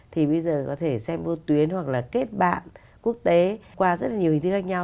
thì bây giờ có thể xem vô tuyến hoặc là kết bạn quốc tế qua rất là nhiều hình thức khác nhau